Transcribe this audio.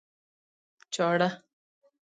چاړه